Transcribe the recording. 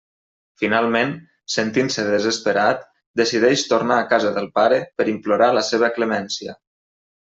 Finalment, sentint-se desesperat, decideix tornar a casa del pare per implorar la seva clemència.